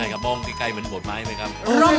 ใช่ครับมองใกล้เหมือนโบดไม้เลยครับ